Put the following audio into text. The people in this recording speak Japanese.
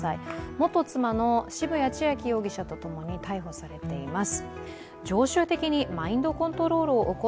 元妻の渋谷千秋容疑者とともに逮捕されています。